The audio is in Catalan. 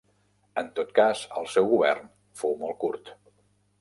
En tot cas el seu govern fou molt curt.